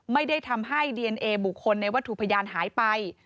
ไม่ได้ทำให้ดีเอนเอบุคคลในวัตถุพยานหายไป